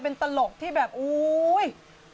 เป็นตลกที่แบบอุ๊ย